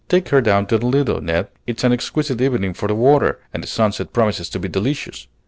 Take her down to the Lido, Ned. It's an exquisite evening for the water, and the sunset promises to be delicious.